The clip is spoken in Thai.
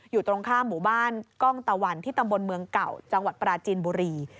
อยู่ตรงข้ามหมู่บ้านกล้องตะวันที่ตำบลเมืองเก่าจังหวัดปราจีนบุรี